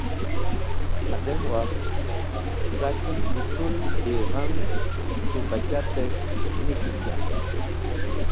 Hadem wakht, saken z̃i kũl bighamK̃hũ bachates̃h nik̃hinden.